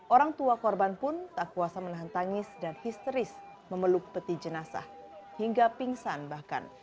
orang tua korban pun tak kuasa menahan tangis dan histeris memeluk peti jenazah hingga pingsan bahkan